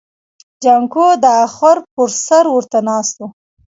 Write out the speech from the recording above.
جانکو د اخور پر سر ورته ناست و.